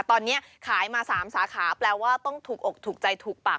ตอนนี้ขายมา๓สาขาแปลว่าต้องถูกอกถูกใจถูกปาก